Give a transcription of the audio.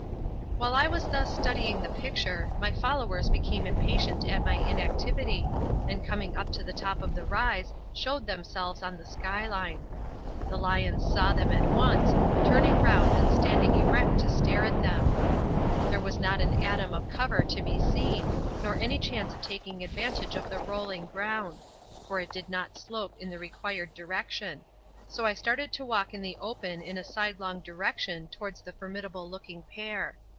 While I was thus studying the picture, my followers became impatient at my inactivity, and coming up to the top of the rise, showed themselves on the sky line. The lions saw them at once, turning round and standing erect to stare at them. There was not an atom of cover to be seen, nor any chance of taking advantage of the rolling ground, for it did not slope in the required direction; so I started to walk in the open in a sidelong direction towards the formidable looking pair.